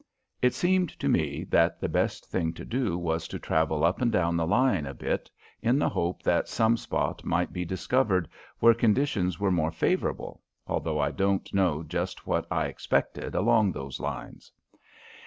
It seemed to me that the best thing to do was to travel up and down the line a bit in the hope that some spot might be discovered where conditions were more favorable, although I don't know just what I expected along those lines.